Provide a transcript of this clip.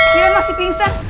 kirim masih pingsan